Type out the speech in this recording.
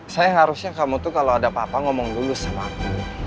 saya harusnya kamu tuh kalau ada apa apa ngomong dulu sama aku